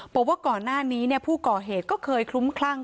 ปลอบว่าก่อนหน้านี้เนี่ยผู้เราเห็นก็เกลิ้งคลุ้มครั่ง